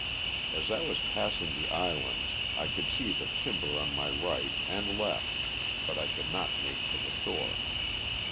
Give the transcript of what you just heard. As I was passing the islands I could see the timber on my right and left but I could not make to the shore.